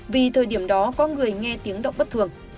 vì thời điểm đó có người nghe tiếng động bất thường